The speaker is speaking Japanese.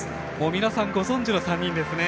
皆さんご存じの３人ですね。